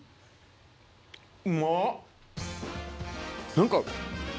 何か。